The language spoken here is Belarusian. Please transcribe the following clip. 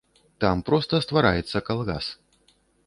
Там проста ствараецца калгас.